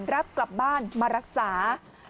รับกลับบ้านมารักษา